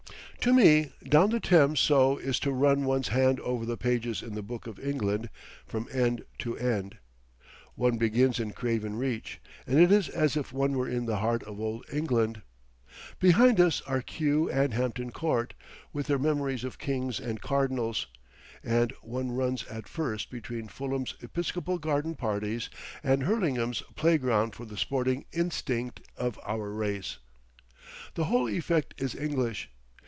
To run down the Thames so is to run one's hand over the pages in the book of England from end to end. One begins in Craven Reach and it is as if one were in the heart of old England. Behind us are Kew and Hampton Court with their memories of Kings and Cardinals, and one runs at first between Fulham's episcopal garden parties and Hurlingham's playground for the sporting instinct of our race. The whole effect is English.